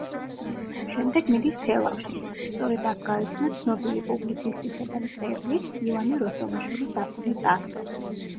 შემდეგ მიდის თელავში, სწორედ აქ გაიცნო ცნობილი პუბლიცისტისა და მწერლის ივანე როსტომაშვილის ასული ტასო.